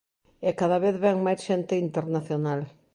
E cada vez vén máis xente internacional.